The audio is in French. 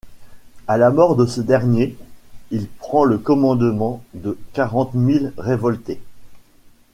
À la mort de ce dernier, il prend le commandement de quarante mille révoltés.